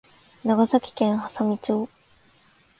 長崎県波佐見町